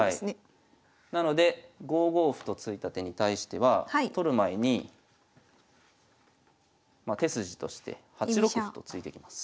なので５五歩と突いた手に対しては取る前に手筋として８六歩と突いてきます。